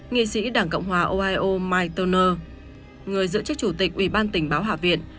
nghị sĩ đảng cộng hòa ohio mike turner người giữ chức chủ tịch ủy ban tình báo hạ viện